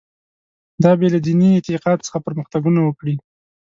دا بې له دیني اعتقاد څخه پرمختګونه وکړي.